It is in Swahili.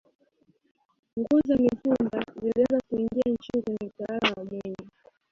nguo za mitumba zilianza kuingia nchini kwenye utawala wa mwinyi